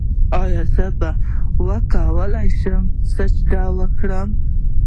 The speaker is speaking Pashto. ایا زه به وکولی شم سجده وکړم؟